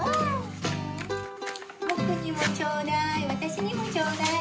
ぼくにもちょうだい。